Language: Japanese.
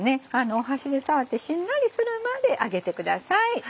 箸で触ってしんなりするまで揚げてください。